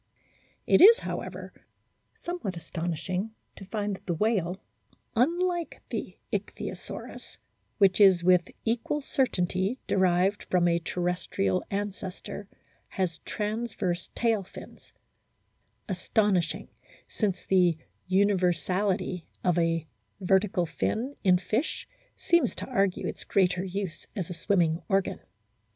It is, however, somewhat astonishing to find that the whale, unlike the Ichthyosaurus, which is with equal certainty derived from a terrestrial ancestor, has transverse tail fins ; astonishing, since the universality of a vertical fin in fish seems to argue its greater use as a swimming organ.